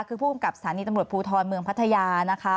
คือผู้กำกับสถานีตำรวจภูทรเมืองพัทยานะคะ